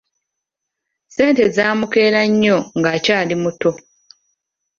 Ssente zaamukeera nnyo ng'akyali muto.